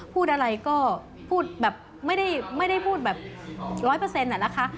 พูดอะไรก็พูดแบบไม่ได้พูดแบบร้อยเปอร์เซ็นต์นะคะ